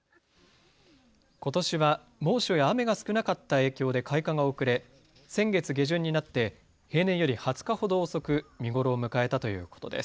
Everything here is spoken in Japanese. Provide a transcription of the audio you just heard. ことしは猛暑や雨が少なかった影響で開花が遅れ、先月下旬になって平年より２０日ほど遅く見頃を迎えたということです。